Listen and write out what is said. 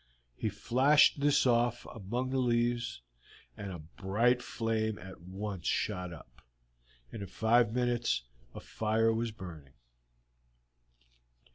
He flashed this off among the leaves, and a bright flame at once shot up, and in five minutes a fire was burning.